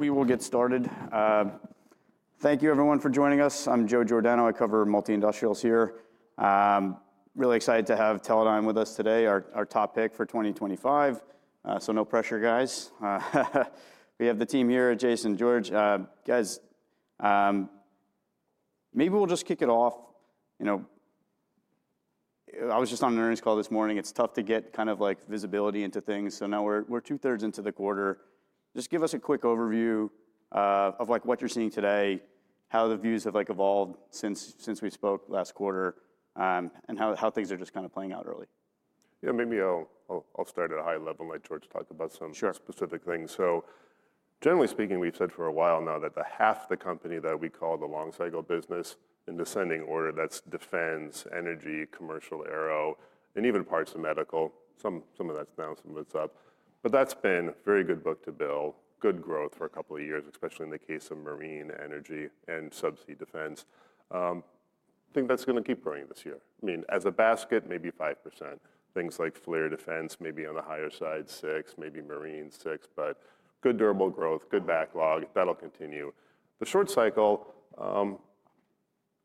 We will get started. Thank you, everyone, for joining us. I'm Joe Giordano. I cover multi-industrials here. Really excited to have Teledyne with us today, our top pick for 2025. So no pressure, guys. We have the team here, Jason, George. Guys, maybe we'll just kick it off. I was just on an earnings call this morning. It's tough to get kind of visibility into things. So now we're two-thirds into the quarter. Just give us a quick overview of what you're seeing today, how the views have evolved since we spoke last quarter, and how things are just kind of playing out early. Yeah, maybe I'll start at a high level, like George talked about some specific things, so generally speaking, we've said for a while now that half the company that we call the long-cycle business, in descending order, that's defense, energy, commercial, aero, and even parts of medical. Some of that's down, some of it's up, but that's been a very good book-to-bill, good growth for a couple of years, especially in the case of Marine energy and subsea defense. I think that's going to keep growing this year. I mean, as a basket, maybe 5%. Things like FLIR Defense, maybe on the higher side, 6%, maybe Marine, 6%. But good durable growth, good backlog. That'll continue. The short-cycle,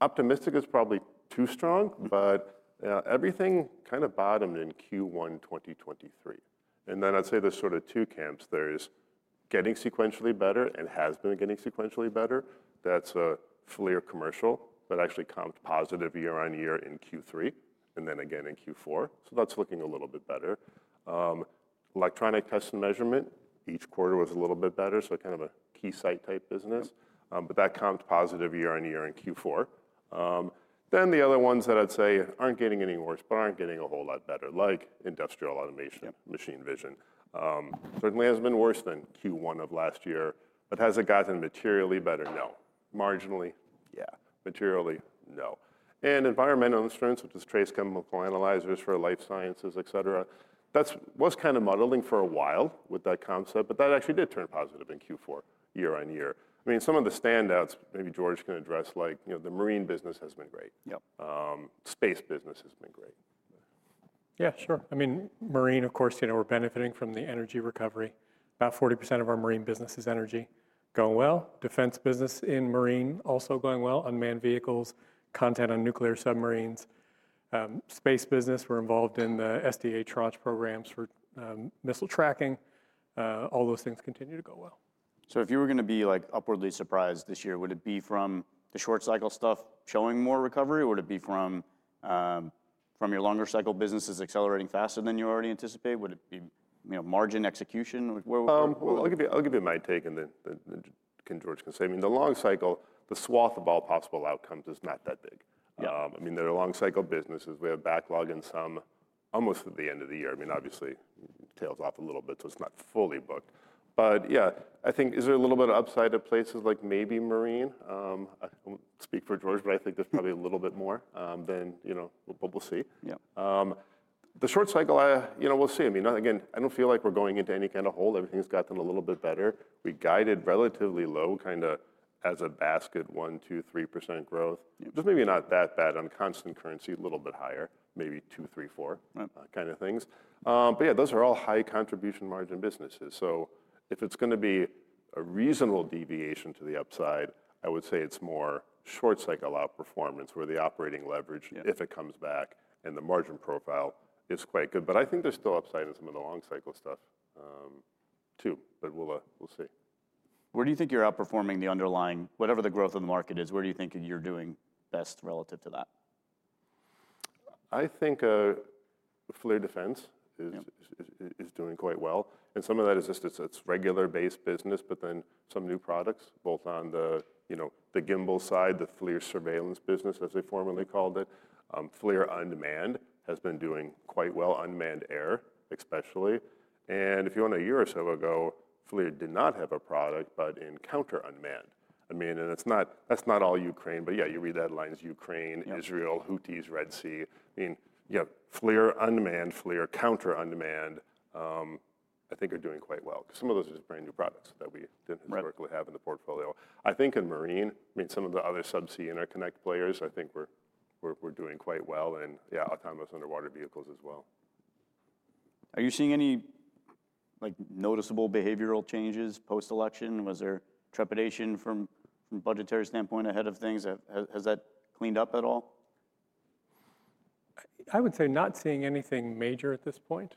optimistic is probably too strong, but everything kind of bottomed in Q1 2023, and then I'd say there's sort of two camps. It's getting sequentially better, and has been getting sequentially better. That's a FLIR Commercial that actually comped positive year on year in Q3, and then again in Q4. So that's looking a little bit better. Electronic tests and measurement, each quarter was a little bit better. So kind of a Keysight-type business. But that comped positive year on year in Q4. Then the other ones that I'd say aren't getting any worse, but aren't getting a whole lot better, like industrial automation, machine vision. Certainly has been worse than Q1 of last year, but has it gotten materially better? No. Marginally? Yeah. Materially? No, and environmental instruments, which is trace chemical analyzers for life sciences, et cetera. That was kind of muddling for a while with that concept, but that actually did turn positive in Q4, year on year. I mean, some of the standouts, maybe George can address, like the marine business has been great. Space business has been great. Yeah, sure. I mean, marine, of course, we're benefiting from the energy recovery. About 40% of our marine business is energy. Going well. Defense business in marine also going well. Unmanned vehicles, content on nuclear submarines. Space business, we're involved in the SDA tranche programs for missile tracking. All those things continue to go well. So if you were going to be upwardly surprised this year, would it be from the short-cycle stuff showing more recovery, or would it be from your longer-cycle businesses accelerating faster than you already anticipate? Would it be margin execution? I'll give you my take and then George can say. I mean, the long cycle, the swath of all possible outcomes is not that big. I mean, there are long-cycle businesses. We have backlog in some almost at the end of the year. I mean, obviously, tails off a little bit, so it's not fully booked. But yeah, I think is there a little bit of upside at places like maybe marine? I won't speak for George, but I think there's probably a little bit more than what we'll see. The short cycle, we'll see. I mean, again, I don't feel like we're going into any kind of hole. Everything's gotten a little bit better. We guided relatively low, kind of as a basket, 1%, 2%, 3% growth. Just maybe not that bad on constant currency, a little bit higher, maybe 2%, 3%, 4% kind of things. But yeah, those are all high contribution margin businesses. So if it's going to be a reasonable deviation to the upside, I would say it's more short-cycle outperformance where the operating leverage, if it comes back, and the margin profile is quite good. But I think there's still upside in some of the long-cycle stuff too, but we'll see. Where do you think you're outperforming the underlying, whatever the growth of the market is, where do you think you're doing best relative to that? I think FLIR Defense is doing quite well. Some of that is just its regular base business, but then some new products, both on the gimbal side, the FLIR Surveillance business, as they formerly called it. FLIR Unmanned has been doing quite well, unmanned air especially. And if you go back a year or so ago, FLIR did not have a product, but in counter-unmanned. I mean, and that's not all Ukraine, but yeah, you read the headlines, Ukraine, Israel, Houthis, Red Sea. I mean, FLIR Unmanned, FLIR counter-unmanned, I think are doing quite well. Some of those are just brand new products that we didn't historically have in the portfolio. I think in marine, I mean, some of the other subsea interconnect players, I think we're doing quite well in, yeah, autonomous underwater vehicles as well. Are you seeing any noticeable behavioral changes post-election? Was there trepidation from a budgetary standpoint ahead of things? Has that cleaned up at all? I would say not seeing anything major at this point.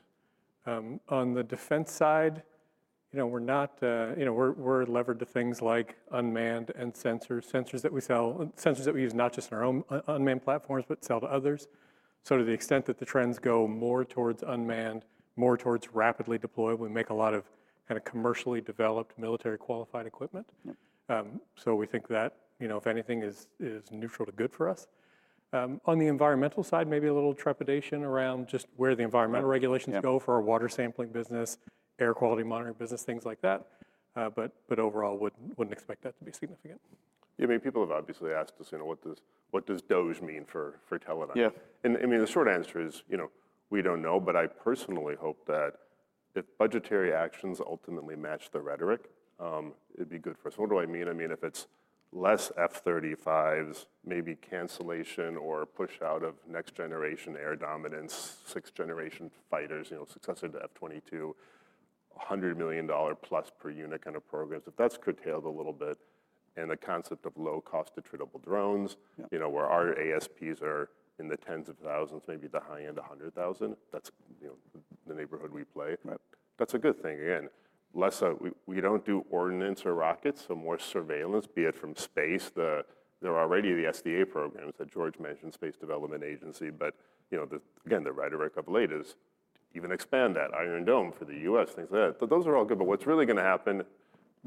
On the defense side, we're levered to things like unmanned and sensors, sensors that we sell, sensors that we use not just in our own unmanned platforms, but sell to others. So to the extent that the trends go more towards unmanned, more towards rapidly deployable, we make a lot of kind of commercially developed military-qualified equipment. So we think that, if anything, is neutral to good for us. On the environmental side, maybe a little trepidation around just where the environmental regulations go for our water sampling business, air quality monitoring business, things like that. But overall, wouldn't expect that to be significant. Yeah, I mean, people have obviously asked us, what does DOGE mean for Teledyne? And I mean, the short answer is we don't know, but I personally hope that if budgetary actions ultimately match the rhetoric, it'd be good for us. What do I mean? I mean, if it's less F-35s, maybe cancellation or push out of Next Generation Air Dominance, sixth-generation fighters, successor to F-22, $100 million plus per unit kind of programs, if that's curtailed a little bit, and the concept of low-cost, attritable drones, where our ASPs are in the tens of thousands, maybe the high end, 100,000, that's the neighborhood we play. That's a good thing. Again, we don't do ordnance or rockets, so more surveillance, be it from space. There are already the SDA programs that George mentioned, Space Development Agency, but again, the rhetoric of latest even expand that, Iron Dome for the U.S., things like that. But those are all good. But what's really going to happen,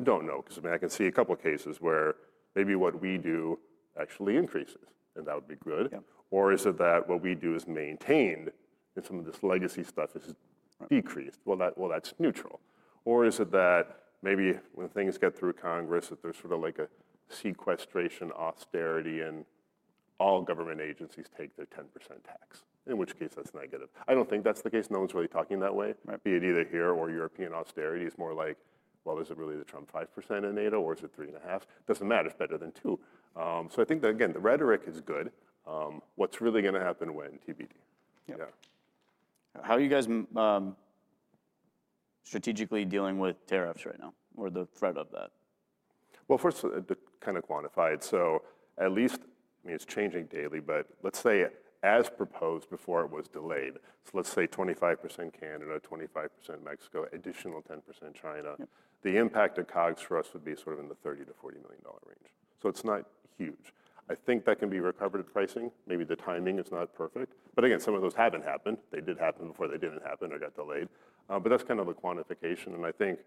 don't know, because I mean, I can see a couple of cases where maybe what we do actually increases, and that would be good. Or is it that what we do is maintained and some of this legacy stuff is decreased? Well, that's neutral. Or is it that maybe when things get through Congress, that there's sort of like a sequestration austerity and all government agencies take their 10% tax, in which case that's negative. I don't think that's the case. No one's really talking that way. Be it either here or European austerity is more like, well, is it really the Trump 5% in NATO, or is it 3.5%? Doesn't matter. It's better than 2%. So I think that, again, the rhetoric is good. What's really going to happen? TBD. Yeah. How are you guys strategically dealing with tariffs right now, or the threat of that? First, to kind of quantify it, so at least, I mean, it's changing daily, but let's say as proposed before it was delayed, let's say 25% Canada, 25% Mexico, additional 10% China. The impact of COGS for us would be sort of in the $30-$40 million range. It's not huge. I think that can be recovered pricing. Maybe the timing is not perfect, but again, some of those haven't happened. They did happen before they didn't happen or got delayed, but that's kind of the quantification, and I think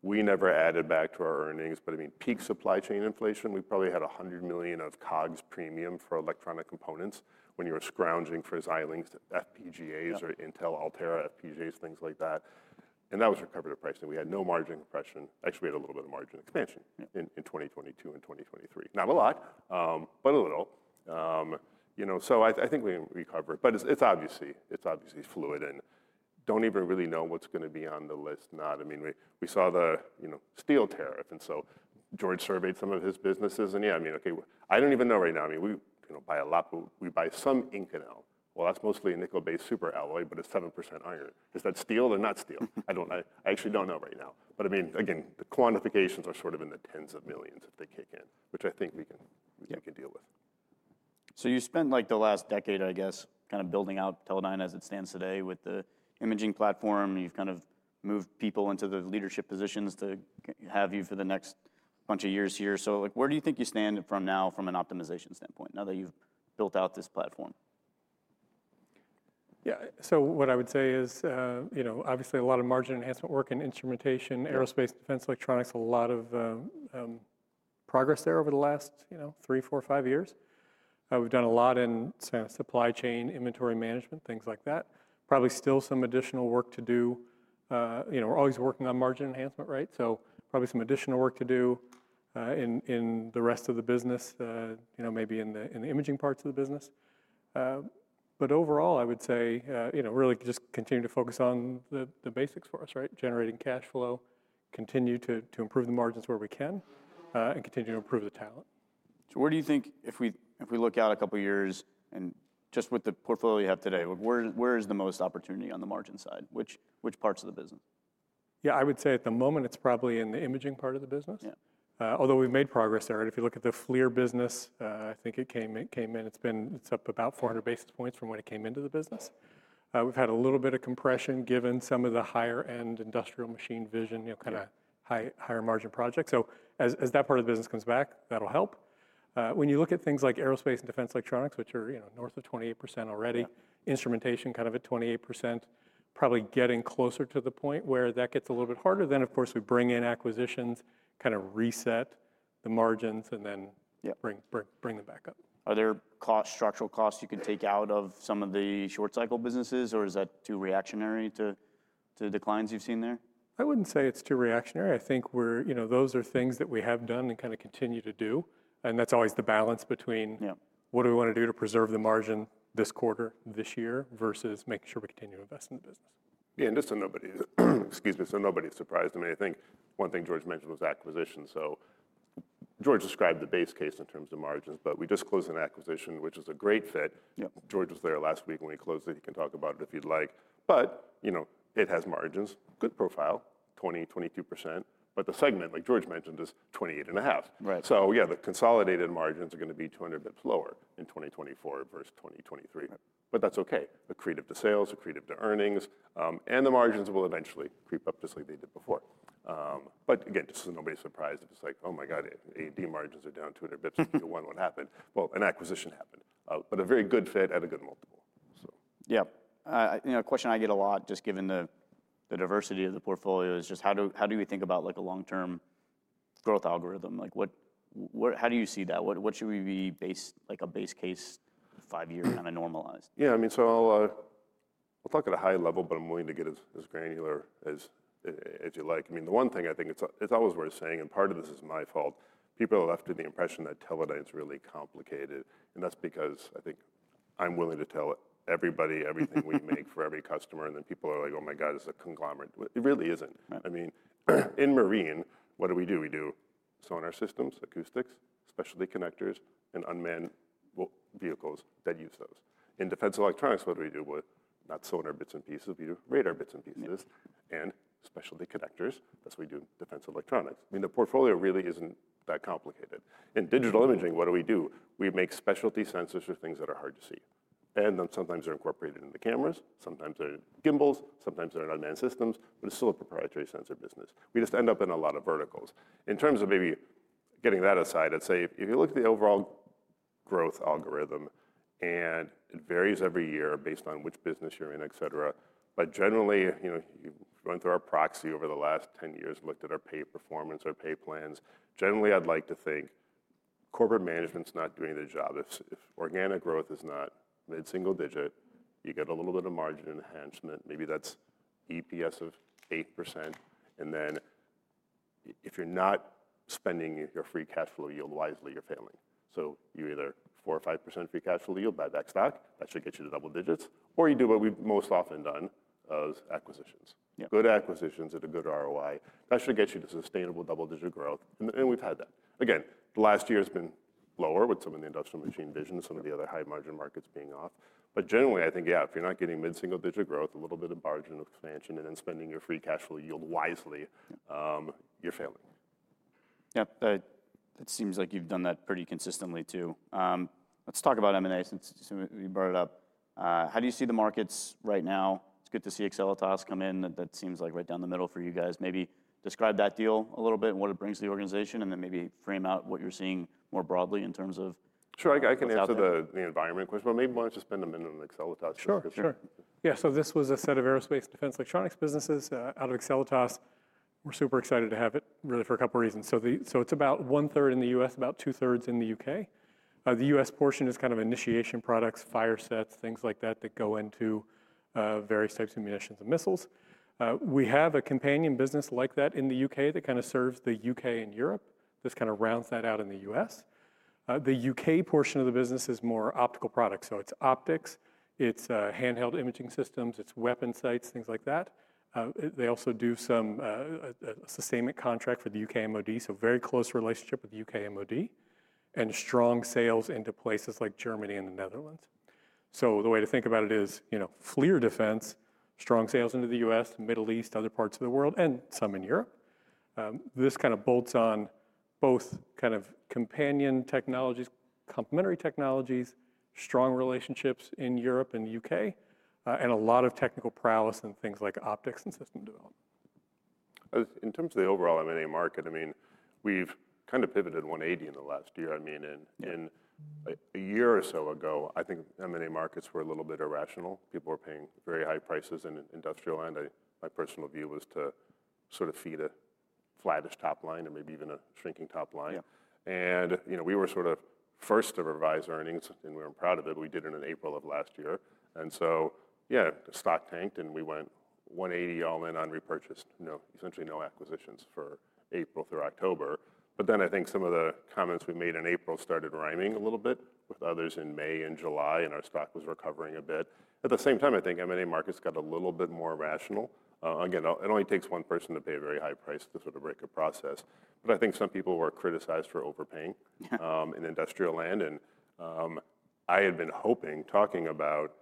we never added back to our earnings. I mean, peak supply chain inflation, we probably had $100 million of COGS premium for electronic components when you were scrounging for Xilinx FPGAs, or Intel Altera FPGAs, things like that. And that was recovered at pricing. We had no margin compression. Actually, we had a little bit of margin expansion in 2022 and 2023, not a lot, but a little, so I think we cover it, but it's obviously fluid and don't even really know what's going to be on the list. I mean, we saw the steel tariff, and so George surveyed some of his businesses, and yeah, I mean, okay, I don't even know right now. I mean, we buy a lot, but we buy some Inconel. Well, that's mostly nickel-based superalloy, but it's 7% iron. Is that steel or not steel? I actually don't know right now, but I mean, again, the quantifications are sort of in the tens of millions if they kick in, which I think we can deal with. So you spent like the last decade, I guess, kind of building out Teledyne as it stands today with the imaging platform. You've kind of moved people into the leadership positions to have you for the next bunch of years here. So where do you think you stand from now from an optimization standpoint now that you've built out this platform? Yeah, so what I would say is obviously a lot of margin enhancement work in Instrumentation, aerospace, defense, electronics, a lot of progress there over the last three, four, five years. We've done a lot in supply chain, inventory management, things like that. Probably still some additional work to do. We're always working on margin enhancement, right? So probably some additional work to do in the rest of the business, maybe in the imaging parts of the business. But overall, I would say really just continue to focus on the basics for us, right? Generating cash flow, continue to improve the margins where we can, and continue to improve the talent. So where do you think if we look out a couple of years and just with the portfolio you have today, where is the most opportunity on the margin side? Which parts of the business? Yeah, I would say at the moment, it's probably in the imaging part of the business. Although we've made progress there. If you look at the FLIR business, I think it came in, it's up about 400 basis points from when it came into the business. We've had a little bit of compression given some of the higher-end industrial machine vision, kind of higher margin projects. So as that part of the business comes back, that'll help. When you look at things like Aerospace and Defense Electronics, which are north of 28% already, instrumentation kind of at 28%, probably getting closer to the point where that gets a little bit harder. Then, of course, we bring in acquisitions, kind of reset the margins, and then bring them back up. Are there structural costs you can take out of some of the short-cycle businesses, or is that too reactionary to declines you've seen there? I wouldn't say it's too reactionary. I think those are things that we have done and kind of continue to do. And that's always the balance between what do we want to do to preserve the margin this quarter, this year, versus making sure we continue to invest in the business. Yeah, and just so nobody is, excuse me, so nobody is surprised to me. I think one thing George mentioned was acquisition. So George described the base case in terms of margins, but we just closed an acquisition, which is a great fit. George was there last week when we closed it. He can talk about it if he'd like. But it has margins, good profile, 20%-22%. But the segment, like George mentioned, is 28.5%. So yeah, the consolidated margins are going to be 200 basis points lower in 2024 versus 2023. But that's okay. Accretive to sales, accretive to earnings. And the margins will eventually creep up just like they did before. But again, just so nobody's surprised, it's like, oh my God, A&D margins are down 200 basis points. The one happened. Well, an acquisition happened. But a very good fit at a good multiple. Yeah. A question I get a lot, just given the diversity of the portfolio, is just how do you think about a long-term growth algorithm? How do you see that? What should we be based like a base case five-year kind of normalized? Yeah, I mean, so I'll talk at a high level, but I'm willing to get as granular as you like. I mean, the one thing I think it's always worth saying, and part of this is my fault, people are left with the impression that Teledyne is really complicated. And that's because I think I'm willing to tell everybody everything we make for every customer. And then people are like, oh my God, it's a conglomerate. It really isn't. I mean, in marine, what do we do? We do sonar systems, acoustics, specialty connectors, and unmanned vehicles that use those. In Defense Electronics, what do we do? Not sonar bits and pieces, we do radar bits and pieces and specialty connectors. That's what we do in Defense Electronics. I mean, the portfolio really isn't that complicated. In Digital Imaging, what do we do? We make specialty sensors for things that are hard to see, and then sometimes they're incorporated into cameras, sometimes they're in gimbals, sometimes they're in unmanned systems, but it's still a proprietary sensor business. We just end up in a lot of verticals. In terms of maybe getting that aside, I'd say if you look at the overall growth algorithm, and it varies every year based on which business you're in, et cetera, but generally, going through our proxy over the last 10 years, looked at our pay performance, our pay plans, generally, I'd like to think corporate management's not doing their job. If organic growth is not mid-single digit, you get a little bit of margin enhancement. Maybe that's EPS of 8%. And then if you're not spending your free cash flow yield wisely, you're failing. So, you either 4% or 5% free cash flow yield by that stock, that should get you to double digits, or you do what we've most often done as acquisitions. Good acquisitions at a good ROI. That should get you to sustainable double-digit growth. And we've had that. Again, the last year has been lower with some of the industrial machine vision and some of the other high-margin markets being off. But generally, I think, yeah, if you're not getting mid-single digit growth, a little bit of margin expansion, and then spending your free cash flow yield wisely, you're failing. Yeah. It seems like you've done that pretty consistently too. Let's talk about M&A since you brought it up. How do you see the markets right now? It's good to see Excelitas come in. That seems like right down the middle for you guys. Maybe describe that deal a little bit and what it brings to the organization, and then maybe frame out what you're seeing more broadly in terms of. Sure. I can answer the environment question, but maybe why don't you spend a minute on Excelitas. Sure. Sure. Yeah. So this was a set of Aerospace and Defense Electronics businesses out of Excelitas. We're super excited to have it really for a couple of reasons. So it's about one-third in the U.S., about two-thirds in the U.K. The U.S. portion is kind of ignition products, firesets, things like that that go into various types of munitions and missiles. We have a companion business like that in the U.K. that kind of serves the U.K. and Europe. This kind of rounds that out in the U.S. The U.K. portion of the business is more optical products. So it's optics, it's handheld imaging systems, it's weapon sights, things like that. They also do some sustainment contract for the U.K. MoD, so very close relationship with the U.K. MoD and strong sales into places like Germany and the Netherlands. So the way to think about it is FLIR Defense, strong sales into the U.S., the Middle East, other parts of the world, and some in Europe. This kind of bolts on both kind of companion technologies, complementary technologies, strong relationships in Europe and the U.K., and a lot of technical prowess in things like optics and system development. In terms of the overall M&A market, I mean, we've kind of pivoted 180 in the last year. I mean, in a year or so ago, I think M&A markets were a little bit irrational. People were paying very high prices in industrial land. My personal view was to sort of feed a flattish top line or maybe even a shrinking top line. And we were sort of first to revise earnings, and we weren't proud of it, but we did it in April of last year. And so, yeah, the stock tanked, and we went 180 all in on repurchase. Essentially no acquisitions for April through October. But then I think some of the comments we made in April started rhyming a little bit with others in May and July, and our stock was recovering a bit. At the same time, I think M&A markets got a little bit more rational. Again, it only takes one person to pay a very high price to sort of break a process, but I think some people were criticized for overpaying in industrial land, and I had been hoping, talking about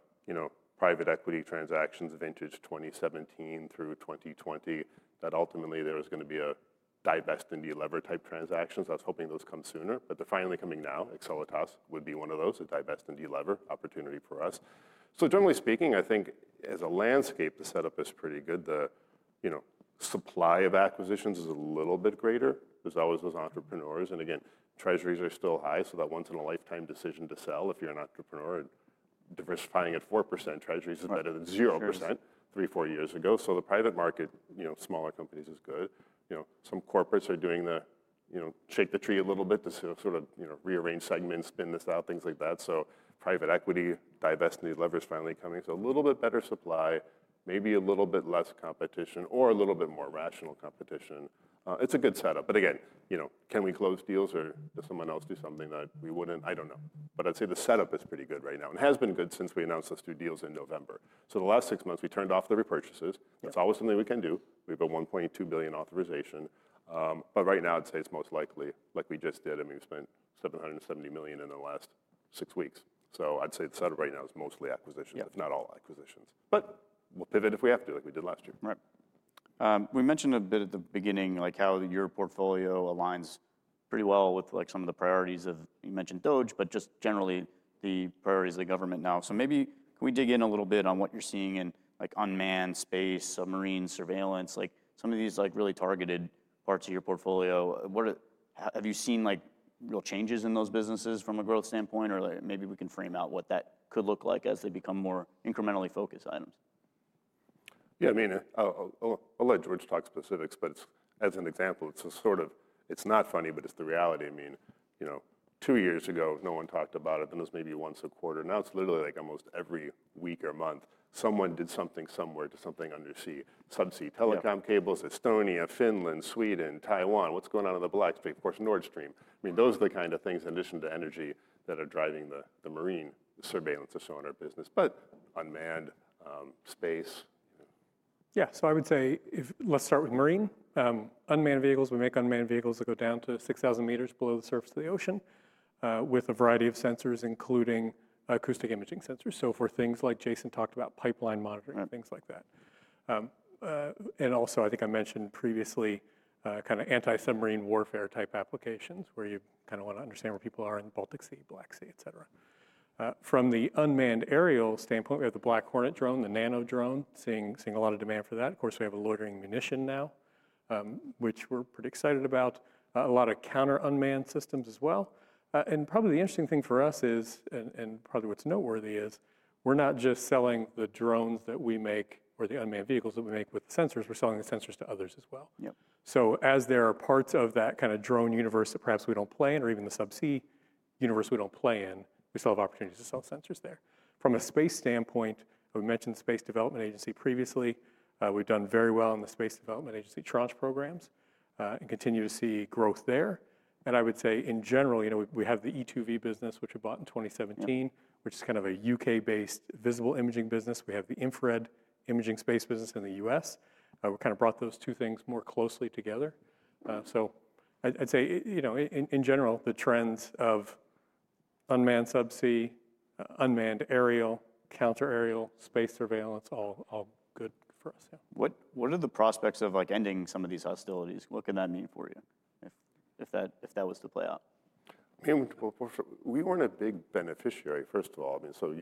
private equity transactions, vintage 2017 through 2020, that ultimately there was going to be a divest and delever type transactions. I was hoping those come sooner, but they're finally coming now. Excelitas would be one of those, a divest and delever opportunity for us, so generally speaking, I think as a landscape, the setup is pretty good. The supply of acquisitions is a little bit greater. There's always those entrepreneurs, and again, treasuries are still high, so that once-in-a-lifetime decision to sell if you're an entrepreneur and diversifying at 4%, treasuries are better than 0% three, four years ago. So the private market, smaller companies is good. Some corporates are doing the shake the tree a little bit to sort of rearrange segments, spin this out, things like that. So private equity, divest and delever is finally coming. So a little bit better supply, maybe a little bit less competition, or a little bit more rational competition. It's a good setup. But again, can we close deals or does someone else do something that we wouldn't? I don't know. But I'd say the setup is pretty good right now. And it has been good since we announced those two deals in November. So the last six months, we turned off the repurchases. That's always something we can do. We have a $1.2 billion authorization. But right now, I'd say it's most likely like we just did, and we've spent $770 million in the last six weeks. So I'd say the setup right now is mostly acquisitions, if not all acquisitions. But we'll pivot if we have to, like we did last year. Right. We mentioned a bit at the beginning how your portfolio aligns pretty well with some of the priorities of, you mentioned DOGE, but just generally the priorities of the government now. So maybe can we dig in a little bit on what you're seeing in unmanned space, submarine surveillance, some of these really targeted parts of your portfolio? Have you seen real changes in those businesses from a growth standpoint? Or maybe we can frame out what that could look like as they become more incrementally focused items. Yeah, I mean, I'll let George talk specifics, but as an example, it's sort of, it's not funny, but it's the reality. I mean, two years ago, no one talked about it, and it was maybe once a quarter. Now it's literally like almost every week or month, someone did something somewhere to something undersea, subsea telecom cables Estonia, Finland, Sweden, Taiwan, what's going on in the Black Sea, of course, Nord Stream. I mean, those are the kind of things, in addition to energy, that are driving the marine surveillance of sonar business, but unmanned space. Yeah, so I would say let's start with marine. Unmanned vehicles, we make unmanned vehicles that go down to 6,000 meters below the surface of the ocean with a variety of sensors, including acoustic imaging sensors. So for things like Jason talked about pipeline monitoring, things like that. And also, I think I mentioned previously kind of anti-submarine warfare type applications where you kind of want to understand where people are in the Baltic Sea, Black Sea, et cetera. From the unmanned aerial standpoint, we have the Black Hornet drone, the nano drone, seeing a lot of demand for that. Of course, we have a loitering munition now, which we're pretty excited about. A lot of counter-unmanned systems as well. Probably the interesting thing for us is, and probably what's noteworthy is we're not just selling the drones that we make or the unmanned vehicles that we make with sensors. We're selling the sensors to others as well. So as there are parts of that kind of drone universe that perhaps we don't play in, or even the subsea universe we don't play in, we still have opportunities to sell sensors there. From a space standpoint, we mentioned the Space Development Agency previously. We've done very well in the Space Development Agency tranche programs and continue to see growth there. I would say in general, we have the e2v business, which we bought in 2017, which is kind of a UK-based visible imaging business. We have the infrared imaging space business in the US. We kind of brought those two things more closely together. So I'd say in general, the trends of unmanned subsea, unmanned aerial, counter-aerial, space surveillance, all good for us. What are the prospects of ending some of these hostilities? What can that mean for you if that was to play out? I mean, we weren't a big beneficiary, first of all. I mean, so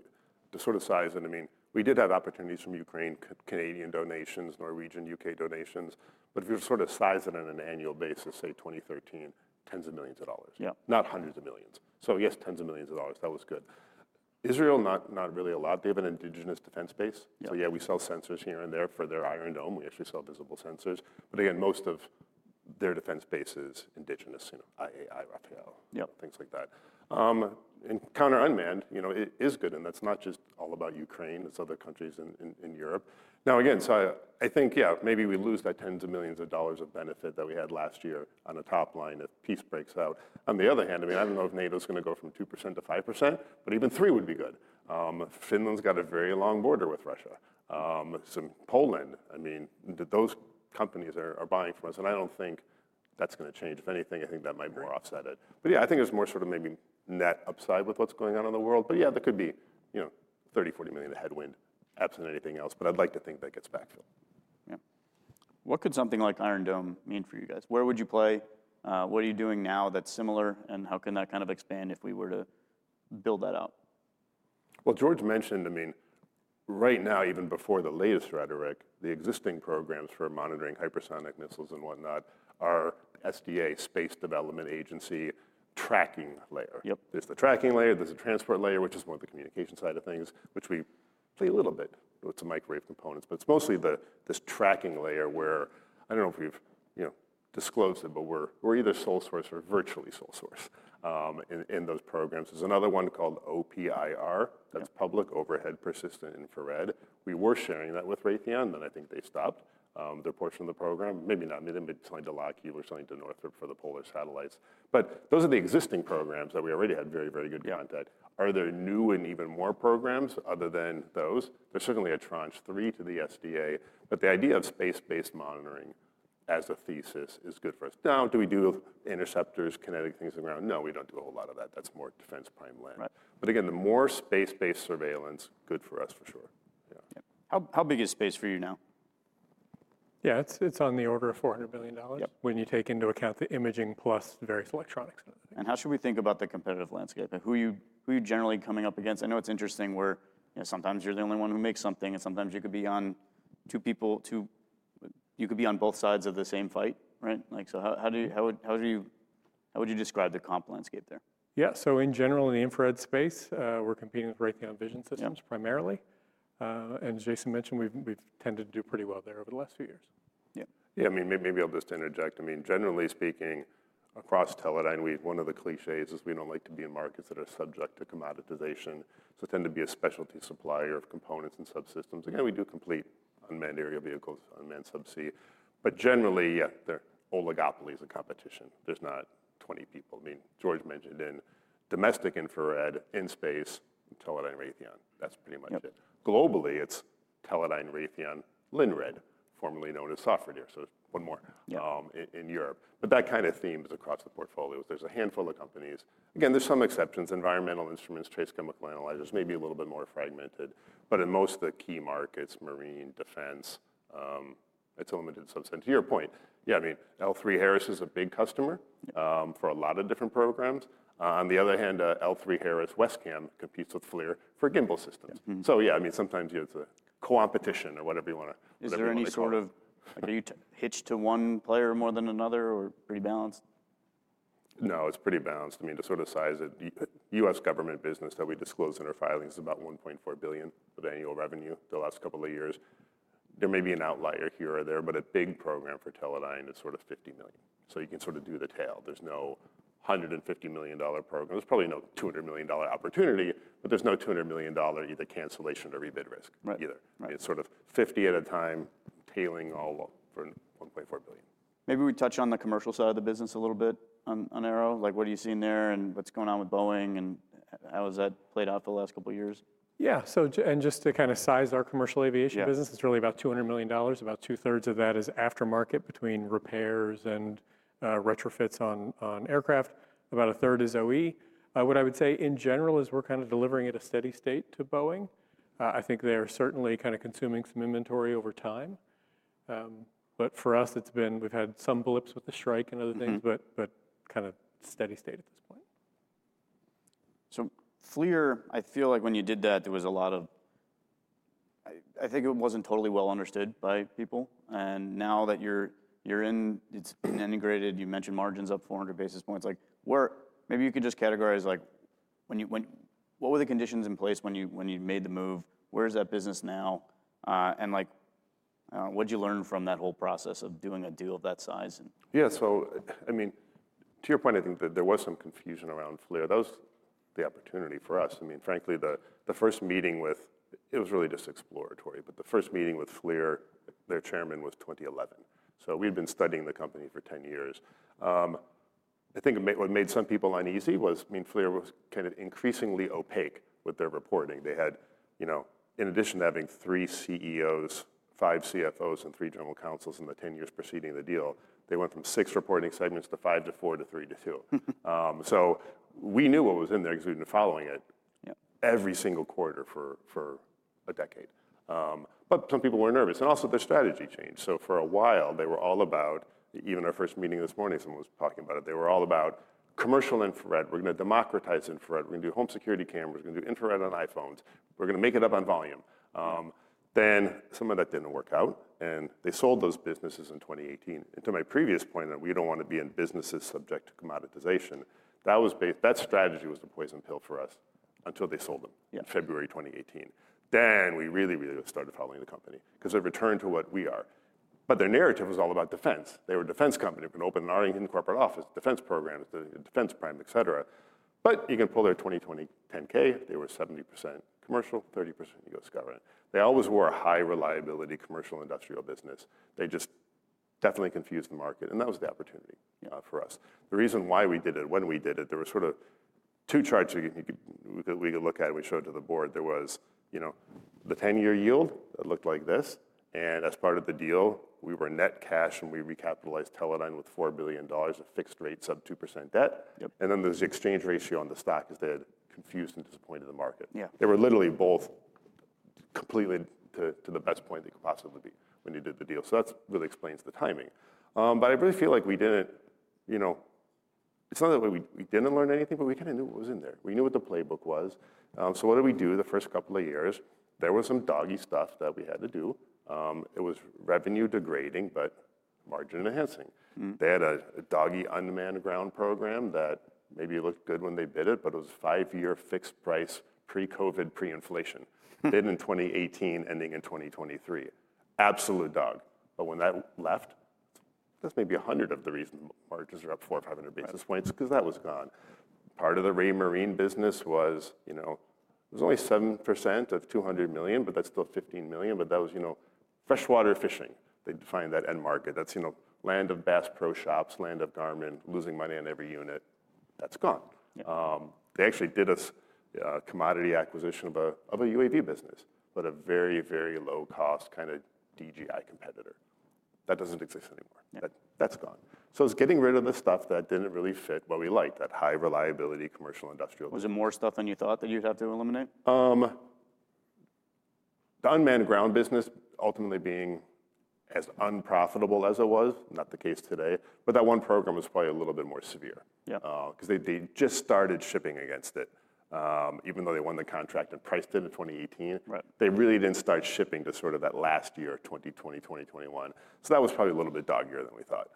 to sort of size in, I mean, we did have opportunities from Ukraine, Canadian donations, Norwegian, U.K. donations. But if you're sort of sizing in on an annual basis, say 2013, tens of millions of dollars. Not hundreds of millions. So yes, tens of millions of dollars. That was good. Israel, not really a lot. They have an indigenous defense base. So yeah, we sell sensors here and there for their Iron Dome. We actually sell visible sensors. But again, most of their defense base is indigenous, IAI, Rafael, things like that. And counter-unmanned is good. And that's not just all about Ukraine. It's other countries in Europe. Now again, so I think, yeah, maybe we lose that tens of millions of dollars of benefit that we had last year on a top line if peace breaks out. On the other hand, I mean, I don't know if NATO's going to go from 2% to 5%, but even 3% would be good. Finland's got a very long border with Russia. Poland, I mean, those companies are buying from us. And I don't think that's going to change. If anything, I think that might more offset it. But yeah, I think there's more sort of maybe net upside with what's going on in the world. But yeah, there could be $30-$40 million of headwind absent anything else. But I'd like to think that gets backfilled. Yeah. What could something like Iron Dome mean for you guys? Where would you play? What are you doing now that's similar? And how can that kind of expand if we were to build that out? George mentioned, I mean, right now, even before the latest rhetoric, the existing programs for monitoring hypersonic missiles and whatnot are SDA, Space Development Agency Tracking Layer. There's the Tracking Layer. There's a Transport Layer, which is more the communication side of things, which we play a little bit with some microwave components. But it's mostly this Tracking Layer where I don't know if we've disclosed it, but we're either sole source or virtually sole source in those programs. There's another one called OPIR. That's Overhead Persistent Infrared. We were sharing that with Raytheon, and I think they stopped their portion of the program. Maybe not. Maybe they're selling to Lockheed. We're selling to Northrop for the polar satellites. But those are the existing programs that we already had very, very good content. Are there new and even more programs other than those? There's certainly a Tranche 3 to the SDA, but the idea of space-based monitoring as a thesis is good for us. Now, do we do interceptors, kinetic things on the ground? No, we don't do a whole lot of that. That's more defense prime land. But again, the more space-based surveillance, good for us for sure. How big is space for you now? Yeah, it's on the order of $400 billion when you take into account the imaging plus various electronics. How should we think about the competitive landscape? Who are you generally coming up against? I know it's interesting where sometimes you're the only one who makes something, and sometimes you could be on two people, you could be on both sides of the same fight, right? So how would you describe the comp landscape there? Yeah. So in general, in the infrared space, we're competing with Raytheon Vision Systems primarily. And as Jason mentioned, we've tended to do pretty well there over the last few years. Yeah. I mean, maybe I'll just interject. I mean, generally speaking, across Teledyne, one of the clichés is we don't like to be in markets that are subject to commoditization. So tend to be a specialty supplier of components and subsystems. Again, we do complete unmanned aerial vehicles, unmanned subsea. But generally, yeah, they're oligopolies of competition. There's not 20 people. I mean, George mentioned in domestic infrared, in space, Teledyne, Raytheon. That's pretty much it. Globally, it's Teledyne, Raytheon, Lynred, formerly known as Sofradir. So one more in Europe. But that kind of theme is across the portfolio. There's a handful of companies. Again, there's some exceptions. Environmental instruments, trace chemical analyzers, maybe a little bit more fragmented. But in most of the key markets, marine, defense, it's a limited subset. To your point, yeah, I mean, L3Harris is a big customer for a lot of different programs. On the other hand, L3Harris, Wescam, competes with FLIR for gimbal systems. So yeah, I mean, sometimes it's a co-opetition or whatever you want to. Is there any sort of, are you hitched to one player more than another or pretty balanced? No, it's pretty balanced. I mean, to sort of size it, U.S. government business that we disclose in our filings is about $1.4 billion of annual revenue the last couple of years. There may be an outlier here or there, but a big program for Teledyne is sort of $50 million. So you can sort of do the math. There's no $150 million program. There's probably no $200 million opportunity, but there's no $200 million either cancellation or rebate risk either. It's sort of $50 million at a time, adding it all for $1.4 billion. Maybe we touch on the commercial side of the business a little bit on aero. What are you seeing there and what's going on with Boeing and how has that played out for the last couple of years? Yeah. And just to kind of size our commercial aviation business, it's really about $200 million. About two-thirds of that is aftermarket between repairs and retrofits on aircraft. About a third is OE. What I would say in general is we're kind of delivering at a steady state to Boeing. I think they are certainly kind of consuming some inventory over time. But for us, it's been we've had some blips with the strike and other things, but kind of steady state at this point. So FLIR, I feel like when you did that, there was a lot of, I think it wasn't totally well understood by people. And now that you're in, it's been integrated, you mentioned margins up 400 basis points. Maybe you could just categorize what were the conditions in place when you made the move? Where is that business now? And what did you learn from that whole process of doing a deal of that size? Yeah. So I mean, to your point, I think that there was some confusion around FLIR. That was the opportunity for us. I mean, frankly, the first meeting with, it was really just exploratory, but the first meeting with FLIR, their chairman, was 2011. So we had been studying the company for 10 years. I think what made some people uneasy was, I mean, FLIR was kind of increasingly opaque with their reporting. They had, in addition to having three CEOs, five CFOs, and three general counsels in the 10 years preceding the deal, they went from six reporting segments to five to four to three to two. So we knew what was in there because we've been following it every single quarter for a decade. But some people were nervous. And also their strategy changed. So for a while, they were all about, even our first meeting this morning, someone was talking about it. They were all about commercial infrared. We're going to democratize infrared. We're going to do home security cameras. We're going to do infrared on iPhones. We're going to make it up on volume. Then some of that didn't work out. And they sold those businesses in 2018. And to my previous point, that we don't want to be in businesses subject to commoditization. That strategy was the poison pill for us until they sold them in February 2018. Then we really, really started following the company because it returned to what we are. But their narrative was all about defense. They were a defense company. We're going to open an Arlington corporate office, defense programs, defense prime, et cetera. But you can pull their 2020 10-K. They were 70% commercial, 30% U.S. government. They always were a high reliability commercial industrial business. They just definitely confused the market, and that was the opportunity for us. The reason why we did it, when we did it, there were sort of two charts we could look at. We showed it to the board. There was the 10-year yield that looked like this, and as part of the deal, we were net cash and we recapitalized Teledyne with $4 billion of fixed rate sub 2% debt. And then there's the exchange ratio on the stock is that confused and disappointed the market. They were literally both completely to the best point they could possibly be when they did the deal, so that really explains the timing. But I really feel like we didn't, it's not that we didn't learn anything, but we kind of knew what was in there. We knew what the playbook was. So what did we do the first couple of years? There was some doggy stuff that we had to do. It was revenue degrading, but margin enhancing. They had a doggy unmanned ground program that maybe looked good when they bid it, but it was five-year fixed price, pre-COVID, pre-inflation. Bid in 2018, ending in 2023. Absolute dog. But when that left, that's maybe 100% of the reason margins are up 400-500 basis points because that was gone. Part of the Raymarine business was. There's only 7% of $200 million, but that's still $15 million. But that was freshwater fishing. They defined that end market. That's land of Bass Pro Shops, land of Garmin, losing money on every unit. That's gone. They actually did a commodity acquisition of a UAV business, but a very, very low-cost kind of DJI competitor. That doesn't exist anymore. That's gone. So it's getting rid of the stuff that didn't really fit what we liked, that high reliability commercial industrial. Was it more stuff than you thought that you'd have to eliminate? The unmanned ground business ultimately being as unprofitable as it was, not the case today. But that one program was probably a little bit more severe because they just started shipping against it. Even though they won the contract and priced it in 2018, they really didn't start shipping to sort of that last year, 2020, 2021. So that was probably a little bit doggier than we thought.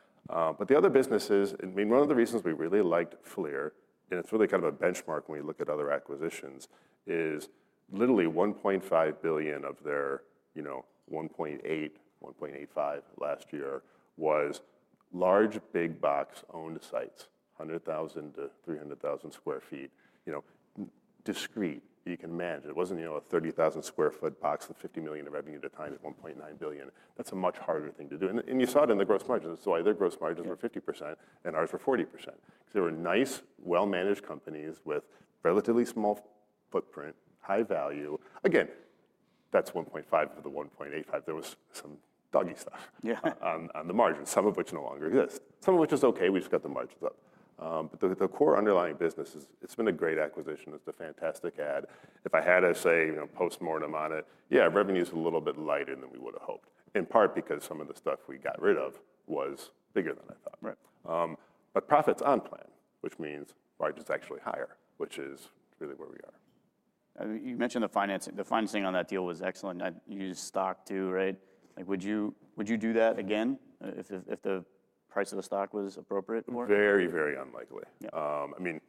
But the other businesses, I mean, one of the reasons we really liked FLIR, and it's really kind of a benchmark when we look at other acquisitions, is literally $1.5 billion of their $1.8-$1.85 billion last year was large, big box-owned sites, 100,000-300,000 sq ft, discrete, you can manage. It wasn't a 30,000 sq ft box with $50 million of revenue at a time at $1.9 billion. That's a much harder thing to do. You saw it in the gross margins. That's why their gross margins were 50% and ours were 40%. Because they were nice, well-managed companies with relatively small footprint, high value. Again, that's 1.5 of the 1.85. There was some doggy stuff on the margins, some of which no longer exists. Some of which is okay. We just got the margins up. But the core underlying businesses, it's been a great acquisition. It's a fantastic ad. If I had to say post-mortem on it, yeah, revenue is a little bit lighter than we would have hoped, in part because some of the stuff we got rid of was bigger than I thought. But profits on plan, which means margins actually higher, which is really where we are. You mentioned the financing. The financing on that deal was excellent. You used stock too, right? Would you do that again if the price of the stock was appropriate? Very, very unlikely. I mean,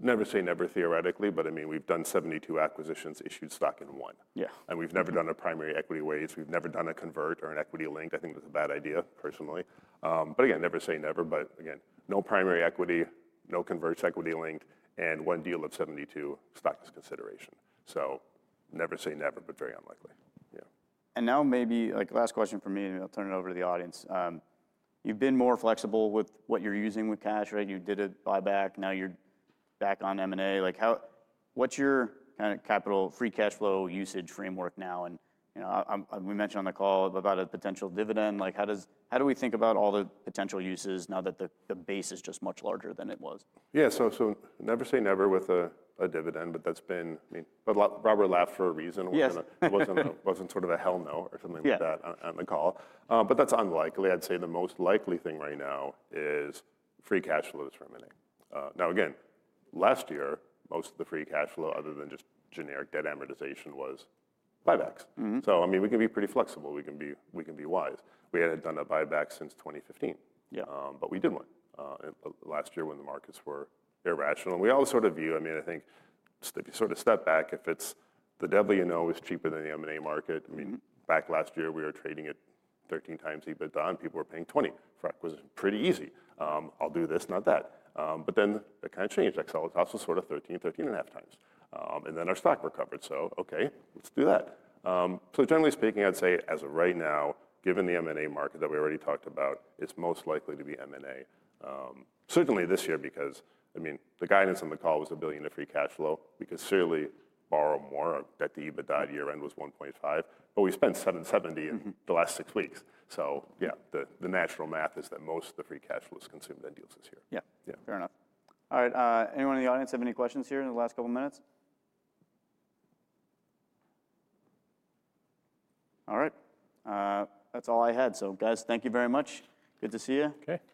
never say never theoretically, but I mean, we've done 72 acquisitions, issued stock in one. And we've never done a primary equity raise. We've never done a convertible or an equity-linked. I think that's a bad idea personally. But again, never say never. But again, no primary equity, no convertibles, equity-linked, and one deal out of 72 stock is consideration. So never say never, but very unlikely. Yeah. And now maybe last question for me, and I'll turn it over to the audience. You've been more flexible with what you're using with cash, right? You did a buyback. Now you're back on M&A. What's your kind of capital free cash flow usage framework now? And we mentioned on the call about a potential dividend. How do we think about all the potential uses now that the base is just much larger than it was? Yeah. So never say never with a dividend, but that's been, I mean, but Robert laughed for a reason. It wasn't sort of a hell no or something like that on the call. But that's unlikely. I'd say the most likely thing right now is free cash flow generation. Now, again, last year, most of the free cash flow, other than just generic debt amortization, was buybacks. So I mean, we can be pretty flexible. We can be wise. We hadn't done a buyback since 2015, but we did one last year when the markets were irrational. And we all sort of view, I mean, I think if you sort of step back, if it's the devil you know is cheaper than the M&A market. I mean, back last year, we were trading at 13 times EBITDA. People were paying 20 for acquisition. Pretty easy. I'll do this, not that. But then it kind of changed. Excel was also sort of 13, 13 and a half times. And then our stock recovered. So okay, let's do that. So generally speaking, I'd say as of right now, given the M&A market that we already talked about, it's most likely to be M&A. Certainly this year because, I mean, the guidance on the call was $1 billion of free cash flow. We could certainly borrow more. I bet the EBITDA year-end was $1.5 billion, but we spent $770 million in the last six weeks. So yeah, the natural math is that most of the free cash flow is consumed in deals this year. Yeah. Fair enough. All right. Anyone in the audience have any questions here in the last couple of minutes? All right. That's all I had. So guys, thank you very much. Good to see you. Okay.